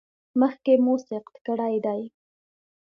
مخکې مو سقط کړی دی؟